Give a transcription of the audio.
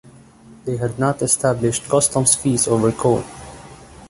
They had not established customs fees over coal.